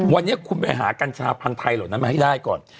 วันนี้คุณไปหากญชาผันไทยหรอกไงมาให้ได้ก่อน